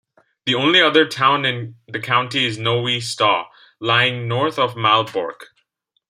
The only other town in the county is Nowy Staw, lying north of Malbork.